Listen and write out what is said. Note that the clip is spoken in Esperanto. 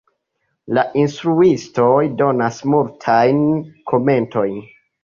La instruistoj donas multajn komentojn.